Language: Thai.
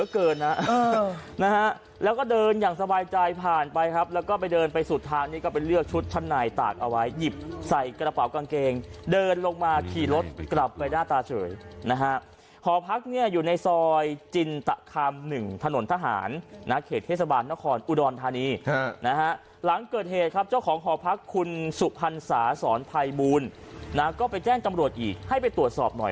เกินนะนะฮะแล้วก็เดินอย่างสบายใจผ่านไปครับแล้วก็ไปเดินไปสุดทางนี้ก็ไปเลือกชุดชั้นในตากเอาไว้หยิบใส่กระเป๋ากางเกงเดินลงมาขี่รถกลับไปหน้าตาเฉยนะฮะหอพักเนี่ยอยู่ในซอยจินตะคามหนึ่งถนนทหารนะเขตเทศบาลนครอุดรธานีนะฮะหลังเกิดเหตุครับเจ้าของหอพักคุณสุพรรณสาสอนภัยบูลนะก็ไปแจ้งตำรวจอีกให้ไปตรวจสอบหน่อย